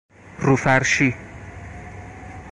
رو فرشی